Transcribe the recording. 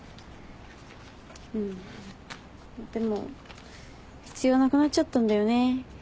うんでも必要なくなっちゃったんだよね。